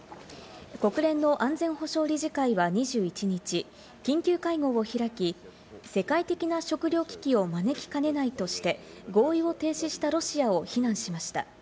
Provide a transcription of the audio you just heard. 国連の安全保障理事会は２１日、緊急会合を開き、世界的な食糧危機を招きかねないとして合意を停止したロシアを非難しました。